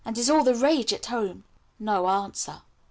"And is all the rage at home." No answer.